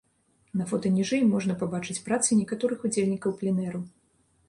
На фота ніжэй можна пабачыць працы некаторых удзельнікаў пленэру.